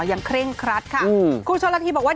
เคร่งครัดค่ะคุณชนละทีบอกว่า